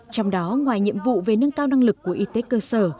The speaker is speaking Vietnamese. trong đó ngoài nhiệm vụ về nâng cao năng lực của y tế cơ sở